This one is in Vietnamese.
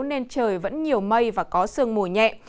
nên trời vẫn nhiều mây và có sương mù nhẹ